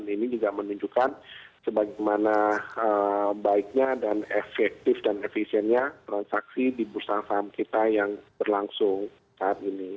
ini juga menunjukkan sebagaimana baiknya dan efektif dan efisiennya transaksi di bursa saham kita yang berlangsung saat ini